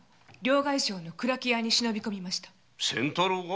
仙太郎が？